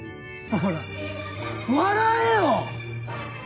ほら笑えよ！